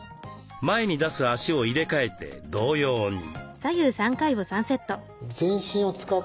前に出す足を入れ替えて同様に。